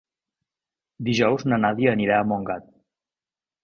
Dijous na Nàdia anirà a Montgat.